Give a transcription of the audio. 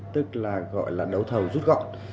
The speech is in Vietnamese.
tức là gọi là đấu thầu rút gọn